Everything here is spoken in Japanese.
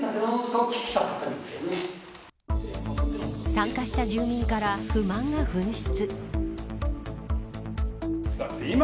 参加した住民から不満が噴出。